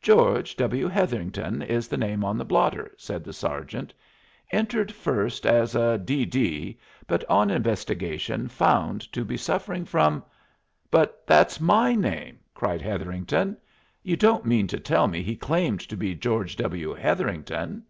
"George W. Hetherington is the name on the blotter," said the sergeant; "entered first as a D. D., but on investigation found to be suffering from " "But that's my name!" cried Hetherington. "You don't mean to tell me he claimed to be George W. Hetherington?"